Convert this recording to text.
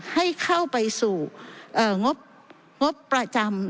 ให้เข้าไปสู่งบประจำ